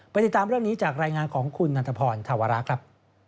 ติดตามเรื่องนี้จากรายงานของคุณนันทพรธาวระครับ